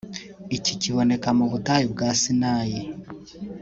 Iki kiboneka mu butayu bwa Sinai